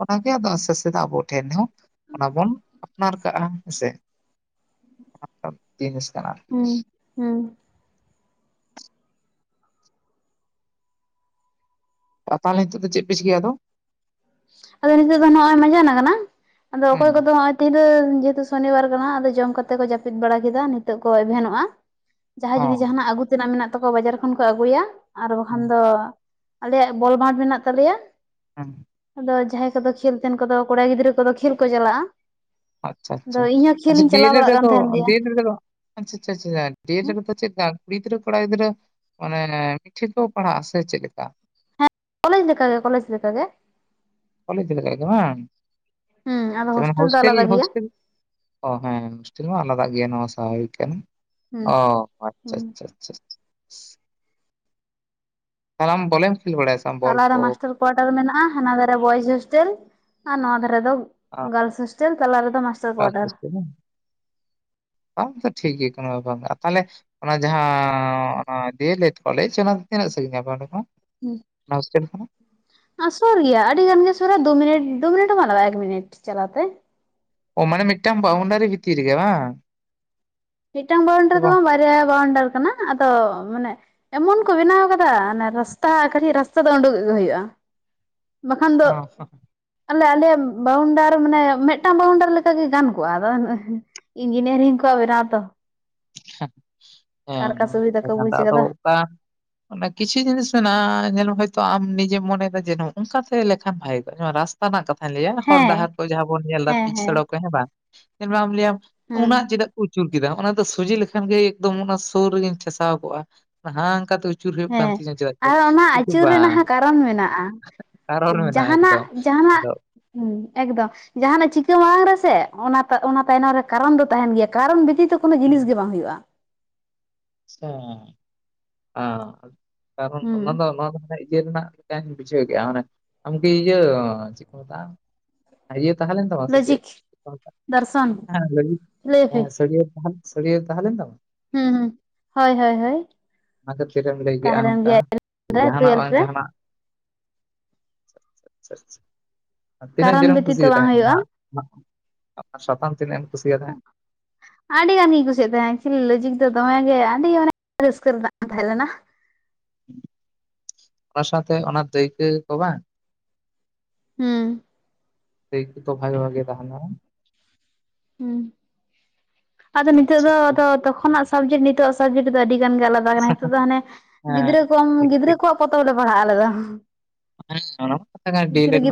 ᱚᱱᱟᱜᱮ ᱟᱫᱚ ᱟᱥᱛᱮ ᱟᱥᱛᱮ ᱛᱮ ᱟᱵᱚ ᱴᱷᱮᱱ ᱦᱚᱸ ᱼᱼ ᱚᱱᱟ ᱵᱚᱱ ᱟᱯᱱᱟᱨ ᱠᱟᱜᱼᱟ ᱦᱮᱸᱥᱮ ᱟᱯᱱᱟᱨ ᱡᱤᱱᱤᱥ᱾ ᱠᱟᱱᱟ ᱟᱨᱠᱤ᱾ ᱦᱩᱸ ᱦᱩᱸ᱾ ᱟ ᱛᱟᱦᱚᱞᱮ ᱪᱮᱜ ᱯᱮ ᱪᱤᱠᱟᱭᱟ ᱟᱫᱚ? ᱟᱫᱚ ᱱᱤᱛᱚᱜ ᱫᱚ ᱱᱚᱜᱼᱚᱭ ᱢᱟᱸᱡᱟᱱ ᱟᱠᱟᱱᱟ ᱾ ᱟᱫᱚ ᱚᱠᱚᱭ ᱦᱮᱸ ᱠᱚᱫᱚ ᱱᱚᱜ-ᱚᱭ ᱛᱤᱨᱟᱹ ᱡᱮᱦᱮᱛᱩ ᱥᱚᱱᱤᱵᱟᱨ ᱠᱟᱱᱟ ᱟᱫᱚ ᱡᱚᱢ ᱠᱟᱛᱮ ᱠᱚ ᱡᱟᱹᱯᱤᱫ ᱵᱟᱲᱟ ᱠᱮᱫᱟ ᱱᱤᱛᱚᱜ ᱠᱚ ᱮᱵᱷᱮᱱᱚᱜᱼᱟ ᱾ ᱡᱟᱦᱟᱸᱭ ᱚ ᱡᱩᱫᱤ ᱡᱟᱦᱟᱱᱟᱜ ᱟᱹᱜᱩ ᱛᱮᱱᱟᱜ ᱢᱮᱱᱟᱜ ᱛᱟᱠᱚᱣᱟ ᱵᱟᱡᱟᱨ ᱠᱷᱚᱱ ᱠᱚ ᱟᱹᱜᱩᱭᱟ ᱟᱨ ᱵᱟᱠᱷᱟᱱ ᱦᱮᱸ ᱫᱚᱹᱹᱹᱹ ᱟᱞᱮᱭᱟᱜ ᱵᱚᱞ ᱢᱟᱴ ᱢᱮᱱᱟᱜ ᱛᱟᱞᱮᱭᱟ ᱾ ᱦᱮᱸᱜ ᱾ ᱟᱫᱚ ᱡᱟᱦᱟᱸᱭ ᱠᱚᱫᱚ ᱠᱷᱮᱹᱞ ᱛᱮᱱ ᱠᱚᱫᱚ ᱠᱚᱲᱟ ᱜᱤᱫᱽᱨᱟᱹ ᱠᱚᱫᱚ ᱠᱷᱮᱹᱞ ᱠᱚ ᱪᱟᱞᱟᱜᱼᱟ ᱾ ᱟᱪᱪᱷᱟ- ᱟᱪᱪᱷᱟ -ᱟᱪᱪᱷᱟ ᱰᱤᱮᱞᱮᱰ ᱵᱟᱲᱟᱜ ᱠᱟᱱ ᱨᱮᱫᱚ ᱛᱟᱦᱮᱱ ᱜᱮᱭᱟ ᱰᱤᱭᱮᱰ ᱨᱮᱫᱚ ᱼᱼ ᱟᱪᱪᱷᱟ ᱪᱷᱟ ᱪᱷᱟ ᱰᱤᱮᱞᱮᱰ ᱨᱮᱫᱚ ᱪᱮᱜ ᱞᱮᱠᱟ ᱠᱩᱲᱤᱜᱤᱫᱽᱨᱟᱹ ᱠᱚᱲᱟᱜᱤᱫᱽᱨᱟᱹ? ᱢᱟᱱᱮᱻ ᱢᱤᱫᱴᱷᱮ ᱠᱚ ᱯᱟᱲᱦᱟᱜ-ᱟ ᱥᱮ ᱪᱮᱫ ᱞᱮᱠᱟ? ᱠᱚᱞᱮᱡᱽ ᱞᱮᱠᱟᱜᱮ ᱠᱚᱞᱮᱡᱽ ᱞᱮᱠᱟᱜᱮ ᱾ ᱠᱚᱞᱮᱡᱽ ᱞᱮᱠᱟᱜᱮ ᱵᱟᱝ? ᱦᱩᱸ ᱟᱫᱚ ᱥᱮ ᱚᱱᱟ ᱫᱚ ᱟᱞᱟᱫᱟ ᱦᱳᱥᱴᱮᱞ- ᱜᱮᱭᱟ ᱦᱳᱥᱴᱮᱹᱞ ᱼᱼ ᱚ ᱦᱮᱸ ᱦᱳᱥᱴᱮᱹᱞ ᱢᱟ ᱟᱞᱟᱫᱟᱜ ᱜᱮᱭᱟ ᱱᱚᱣᱟ ᱥᱟᱵᱷᱟᱵᱤᱠ ᱠᱟᱱᱟ ᱦᱩᱸ ᱚ ᱟᱪᱪᱷᱟ ᱦᱩᱸ ᱟᱪᱪᱷᱟ ᱟᱪᱪᱷᱟ ᱾ ᱛᱟᱞᱦᱮ ᱟᱢ ᱵᱚᱞᱮᱢ ᱠᱷᱮᱞ ᱵᱟᱲᱟᱭᱟ ᱥᱮ? ᱵᱟᱝ ᱵᱚᱞ ᱛᱟᱞᱟᱨᱮ ᱠᱚ ᱢᱟᱥᱴᱟᱨ ᱠᱚᱳᱣᱟᱴᱟᱨ ᱢᱮᱱᱟᱜᱼᱟ ᱦᱟᱱᱟ ᱫᱷᱟᱨᱮ ᱵᱚᱭᱮᱡᱽ ᱦᱳᱥᱴᱮᱹᱞ ᱾ ᱟᱨ ᱱᱚᱣᱟ ᱫᱷᱟᱨᱮᱫᱚ ᱜᱟᱨᱻᱞ ᱦᱳᱥᱴᱮᱹᱞ ᱛᱟᱞᱟ ᱨᱮᱫᱚ ᱹᱹᱹᱹ ᱾ ᱟᱯᱮ ᱥᱮᱫ ᱫᱚ? ᱚᱱᱛᱮ ᱴᱷᱤᱠ ᱜᱮᱭᱟ ᱠᱳᱱᱳ ᱵᱮᱯᱟᱨ ᱵᱟᱝ ᱛᱟᱦᱚᱞᱮ ᱚᱱᱟ ᱡᱟᱦᱟᱸ ᱚᱱᱟ ᱰᱤᱣᱮᱹᱞᱮᱹᱰ ᱠᱚᱞᱮᱡᱽ ᱚᱱᱟ ᱫᱚ ᱛᱤᱱᱟᱹᱜ ᱥᱟᱹᱜᱤᱧᱟ ᱟᱯᱮᱴᱷᱮᱱ ᱠᱷᱚᱱ? ᱦᱚᱥᱴᱮᱹᱞ ᱠᱷᱚᱱ ᱟᱨ ᱥᱳᱨ ᱜᱮᱭᱟ ᱟᱹᱰᱤ ᱜᱟᱱ ᱜᱮ ᱥᱳᱨᱟ ᱫᱩ ᱢᱤᱱᱤᱴ ᱫᱩ ᱢᱤᱱᱤᱴ ᱦᱚᱸ ᱵᱟᱝ ᱞᱟᱜᱟᱜᱼᱟ ᱮᱠ ᱢᱤᱱᱤᱴ ᱪᱟᱞᱟᱣ ᱛᱮ ᱾ ᱳᱸ ᱢᱟᱱᱮ ᱢᱤᱫᱴᱟᱝ ᱵᱟᱣᱩᱱᱰᱟᱨᱤ ᱵᱷᱤᱛᱤᱨ ᱨᱮ ᱜᱮ ᱵᱟᱝ? ᱢᱤᱫᱴᱟᱝ ᱵᱟᱣᱩᱱᱰᱟᱨ ᱫᱚ ᱵᱟᱝ ᱵᱟᱨᱭᱟ ᱵᱟᱣᱩᱱᱰᱟᱨ ᱠᱟᱱᱟ ᱟᱫᱚ ᱢᱟᱱᱮᱹᱹᱹ ᱮᱢᱚᱱ ᱠᱚ ᱵᱮᱱᱟᱣ ᱠᱟᱫᱟ ᱨᱟᱥᱛᱟ ᱠᱟᱹᱴᱤᱡ ᱨᱟᱥᱛᱟ ᱫᱚ ᱳᱸᱰᱩᱳᱜ ᱜᱮ ᱦᱳᱭᱳᱜᱼᱟ ᱾ [inaudible] ᱵᱟᱠᱷᱟᱱ ᱫᱚᱜ ᱹᱹᱹᱹ᱾ ᱟᱞᱮ- ᱟᱞᱮᱭᱟᱜ ᱵᱟᱣᱩᱱᱰᱟᱨ ᱢᱟᱱᱮ ᱢᱤᱫᱴᱟᱝ ᱵᱟᱣᱩᱱᱰᱟᱨ ᱞᱮᱠᱟᱜᱮ ᱜᱟᱱ ᱠᱚᱜᱼᱟ ᱟᱫᱚ ᱦᱮᱸ-ᱮ ᱾ ᱤᱧᱡᱤᱱᱤᱭᱟᱨᱤᱝ ᱠᱚᱣᱟ ᱢᱮᱱᱟᱜ ᱟᱛᱚᱹᱹᱹᱹ᱾ ᱦᱮᱸ ᱦᱮᱸ ᱚᱱᱟ ᱥᱩᱵᱤᱫᱷᱟ ᱠᱚ ᱢᱟᱛᱚ ᱵᱩᱡ [unintelligible] ᱟᱫᱚ ᱠᱟᱫᱟ ᱚᱠᱟ ᱚᱱᱟ ᱠᱤᱪᱷᱩ ᱡᱤᱱᱤᱥ ᱢᱮᱱᱟᱜᱼᱟ ᱧᱮᱞᱢᱮ ᱦᱚᱭᱛᱳ ᱟᱢ ᱱᱤᱡᱮᱢ ᱢᱚᱱᱮᱫᱟ ᱡᱮ ᱚᱱᱠᱟᱛᱮ ᱞᱮᱠᱷᱟᱱ ᱵᱷᱟᱜᱮᱠᱚᱜᱼᱟ ᱨᱟᱥᱹᱹᱹᱹ ᱦᱟᱱᱟ ᱠᱟᱛᱷᱟᱧ ᱞᱟᱹᱣᱟ ᱦᱚᱨ ᱦᱮᱸ ᱰᱟᱦᱟᱨ ᱠᱚ ᱡᱟᱦᱟᱸ ᱵᱚᱱ ᱧᱮᱞ ᱫᱟ ᱯᱤᱪ ᱥᱚᱲᱚᱠ ᱨᱮ ᱦᱮᱸ ᱵᱟᱝ, ᱧᱮᱞᱢᱮ ᱟᱢ ᱞᱟᱹᱭᱟᱢ ᱹᱹᱹᱹ ᱦᱮᱸ ᱩᱱᱟᱹᱜ ᱪᱮᱫᱟᱜ ᱠᱚ ᱟᱹᱪᱩᱨ ᱠᱮᱫᱟ ᱚᱱᱟ ᱫᱚ ᱥᱚᱡᱷᱦᱮ ᱞᱮᱹᱹᱹ ᱮᱱ ᱠᱷᱟᱱ ᱜᱮ ᱮᱠᱫᱚᱢ ᱚᱱᱟ ᱥᱳᱨ ᱨᱮᱜᱤᱧ ᱴᱷᱮᱥᱟᱣ ᱠᱚᱜᱼᱟ ᱦᱟᱝᱠᱟᱛᱮ ᱩᱪᱹᱹᱹ ᱦᱮᱸ, ᱟᱨ ᱚᱱᱟ ᱟᱹᱪᱩᱨ ᱨᱮᱱᱟᱜ ᱦᱚᱸ ᱠᱟᱨᱚᱱ ᱢᱮᱱᱟᱜᱼᱟ ᱠᱟᱨᱚᱱ ᱢᱮᱱᱟᱜᱼᱟ ᱡᱟᱦᱟᱱᱟᱜ ᱮᱠᱫᱚᱢ ᱹᱹᱹᱹ ᱡᱟᱦᱟᱱᱟᱜ? ᱟᱫᱚ ᱦᱩᱸ, ᱮᱠᱫᱚᱢ ᱾ ᱡᱟᱦᱟᱱᱟᱜ ᱪᱤᱠᱟᱹ ᱢᱟᱲᱟᱝ ᱨᱮᱥᱮ ᱚᱱᱟ ᱛᱟᱭᱱᱚᱢ ᱨᱮ ᱠᱟᱨᱚᱱ ᱫᱚ ᱛᱟᱦᱮᱱ ᱜᱮᱭᱟ ᱠᱟᱨᱚᱱ ᱵᱮᱛᱤᱛᱚ ᱹᱹᱹ ᱠᱳᱱᱳ ᱡᱤᱱᱤᱥ ᱜᱮ ᱵᱟᱝ ᱦᱳᱭᱳᱜᱼᱟ ᱾ ᱥᱟᱸᱻ, ᱟᱸᱻ, ᱠᱟᱨᱚᱱ ᱦᱩᱸ ᱚᱱᱟᱫᱚ ᱱᱚᱣᱟ ᱫᱚ ᱥᱟᱹᱨᱤ? ᱪᱮ ᱨᱮᱱᱟᱜ ᱞᱮᱠᱟᱧ ᱵᱩᱡᱷᱟᱹᱣ ᱠᱮᱫᱼᱟ ᱢᱟᱱᱮ ᱟᱢᱠᱤ ᱤᱭᱟᱹ ᱪᱮᱫ ᱠᱚ ᱢᱮᱛᱟᱜᱼᱟ? ᱤᱭᱟᱹ ᱛᱟᱦᱮᱸ ᱞᱮᱱ ᱛᱟᱢᱟ ᱥᱮ ᱪᱮᱫ ᱞᱚᱡᱤᱠ ᱪᱮᱫ ᱠᱚ ᱫᱚᱨᱥᱚᱱ ᱢᱮᱛᱟᱜᱼᱟ ᱞᱟᱹᱜᱤᱫ ᱞᱟᱹᱭᱯᱮ ᱮᱸ ᱥᱟᱹᱜᱟᱹᱭ ᱛᱟᱦᱮᱱ ᱾ ᱥᱟᱹᱜᱟᱹᱭ ᱛᱟᱦᱮᱞᱮᱱ ᱛᱟᱢᱟ? ᱸ ᱦᱩᱸᱻ, ᱦᱳᱭ ᱦᱳᱭ ᱦᱳᱭ ᱾ ᱟᱫᱚ ᱪᱮᱫ ᱮᱢ ᱞᱟᱹᱭ ᱠᱮᱜᱼᱟ ᱱᱚᱝᱠᱟ? ᱨᱮ ᱡᱟᱦᱟᱱᱟᱜ ᱴᱩᱭᱮᱞᱵᱷ ᱵᱟᱝ ᱨᱮ ᱡᱟᱦᱟᱱᱟᱜ ᱾ ᱟᱪᱪᱷᱟᱻ ᱟᱪᱪᱷᱟᱻᱪᱷᱟ ᱛᱤᱱᱟᱹᱜ ᱠᱟᱨᱚᱱ ᱡᱳᱨᱮᱢ ᱵᱮᱛᱤᱛᱚ ᱠᱩᱥᱭᱟᱫᱮ ᱵᱟᱝ ᱛᱟᱦᱮᱸᱜ ᱦᱩᱭᱩᱜᱼᱟ ᱱᱟᱦᱟᱸᱜ? ᱚᱱᱟ ᱥᱟᱛᱟᱢ ᱛᱤᱱᱟᱜ ᱮᱢ ᱠᱩᱥᱤᱭᱟᱜ ᱛᱟᱦᱮᱸᱫ ᱴᱷᱚᱸᱜᱻ ᱟᱹᱰᱤ ᱜᱟᱱ ᱜᱤᱧ ᱠᱩᱥᱤᱭᱟᱜ ᱛᱟᱦᱮᱸ ᱞᱚᱡᱤᱜ ᱫᱚ ᱫᱚᱢᱮᱜᱮ ᱟᱹᱰᱤ ᱢᱟᱱᱮ ᱨᱟᱹᱥᱠᱟᱹ ᱨᱮᱱᱟᱜ ᱛᱟᱦᱮᱸ ᱞᱮᱱᱟ ᱾ ᱚᱱᱟ ᱥᱟᱶᱛᱮ ᱚᱱᱟ ᱫᱟᱹᱭᱠᱟᱹ ᱠᱚ ᱵᱟᱝᱹᱹᱹᱹ ᱦᱩᱸᱻ ᱾ ᱴᱷᱤᱚ ᱛᱚᱯᱷᱟᱭ ᱵᱷᱟᱜᱮ ᱛᱟᱦᱮᱱᱟ ᱾ ᱦᱩᱸ, ᱟᱫᱚ ᱱᱤᱛᱚᱜ ᱟᱪᱪᱷᱟ ᱟᱪᱪᱷᱟ, ᱫᱚ ᱛᱚᱠᱷᱚᱱᱟᱜ ᱥᱟᱵᱡᱮᱠᱴ ᱱᱤᱛᱚ ᱟᱻᱜ ᱥᱟᱵᱡᱮᱠᱴ ᱫᱚ ᱟᱹᱰᱤ ᱜᱟᱱ ᱜᱮ ᱟᱞᱟᱫᱟ '᱾ [unintelligible] ᱱᱤᱛᱚᱜ ᱫᱚ ᱦᱟᱱᱮ ᱜᱤᱫᱽᱨᱟᱹ ᱦᱮᱸ ᱠᱚ ᱴᱷᱤᱠ ᱜᱤᱫᱽᱨᱟᱹ ᱴᱷᱤᱠ ᱠᱚᱣᱟᱜ ᱯᱚᱛᱚᱵ ᱞᱮ ᱯᱟᱲᱦᱟᱜᱼᱟ ᱟᱞᱮ ᱫᱚ᱾ ᱦᱮᱸ ᱚᱱᱟ ᱠᱟᱛᱷᱟ ᱠᱟᱱᱟ ᱜᱤᱫᱽᱨᱟᱹ [unintelligible]